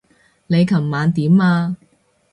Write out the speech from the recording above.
你琴晚點啊？